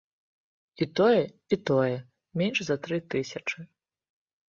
І тое, і тое менш за тры тысячы.